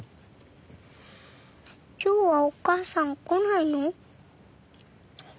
今日はお母さん来ないの？